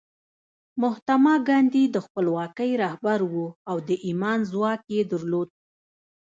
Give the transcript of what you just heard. مهاتما ګاندي د خپلواکۍ رهبر و او د ایمان ځواک یې درلود